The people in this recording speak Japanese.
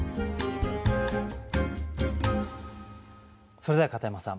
それでは片山さん